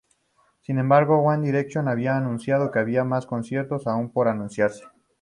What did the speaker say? Sin embargo, One Direction había anunciado que habría más conciertos aún por anunciarse.